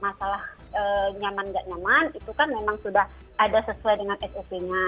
kalau kita lihat itu nyaman nggak nyaman itu kan memang sudah ada sesuai dengan sop nya